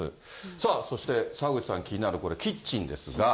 さあ、そして、澤口さん気になるキッチンですが。